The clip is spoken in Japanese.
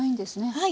はい。